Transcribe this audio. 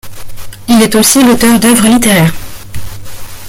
Il est aussi l'auteur d'œuvres littéraires.